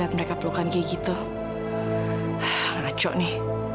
lihat mereka pelukan kayak gitu change